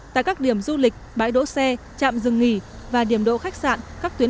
tại các điểm du lịch bãi đỗ xe trạm dừng nghỉ và điểm đỗ khách sạn